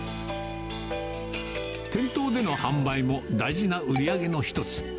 店頭での販売も大事な売り上げの一つ。